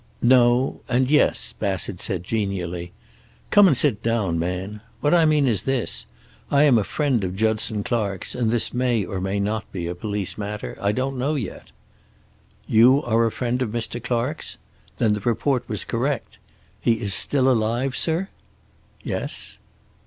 "No and yes," Bassett said genially. "Come and sit down, man. What I mean is this. I am a friend of Judson Clark's, and this may or may not be a police matter. I don't know yet." "You are a friend of Mr. Clark's? Then the report was correct. He is still alive, sir?" "Yes."